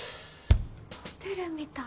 ホテルみた。